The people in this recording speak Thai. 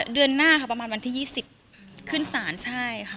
เดือนหน้าค่ะประมาณวันที่๒๐ขึ้นศาลใช่ค่ะ